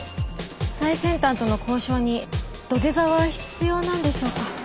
最先端との交渉に土下座は必要なんでしょうか？